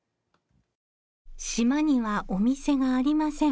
島にはお店がありません。